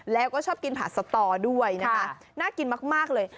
แล้วก็ชอบกินผัดสตอด้วยนะคะน่ากินมากเลย